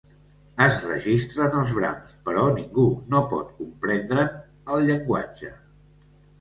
Es registren els brams, però ningú no pot comprendre'n el llenguatge.